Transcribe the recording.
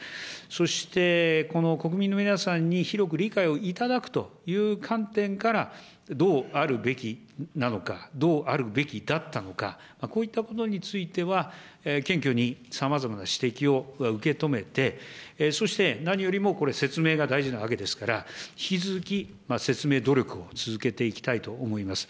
そしてこの国民の皆さんに広く理解をいただくという観点から、どうあるべきなのか、どうあるべきだったのか、こういったことについては、謙虚にさまざまな指摘を受け止めて、そして何よりもこれ、説明が大事なわけですから、引き続き説明努力を続けていきたいと思います。